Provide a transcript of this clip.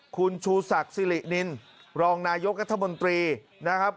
คุณชูศักดิ์สิรินินรองนายกรัฐมนตรีนะครับ